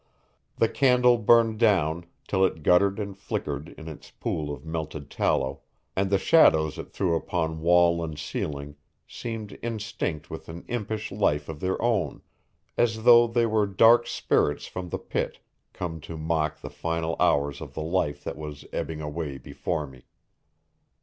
The candle burned down till it guttered and flickered in its pool of melted tallow, and the shadows it threw upon wall and ceiling seemed instinct with an impish life of their own, as though they were dark spirits from the pit come to mock the final hours of the life that was ebbing away before me.